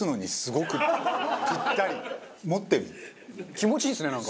気持ちいいですねなんか。